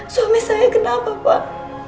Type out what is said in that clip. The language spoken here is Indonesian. suami saya kenapa pak